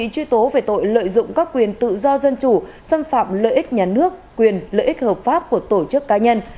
truy tố về tội lợi dụng các quyền tự do dân chủ xâm phạm lợi ích nhà nước quyền lợi ích hợp pháp của tổ chức cá nhân